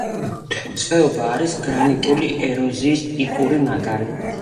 ხეობა არის გრანიტული ეროზიის ტიპური მაგალითი.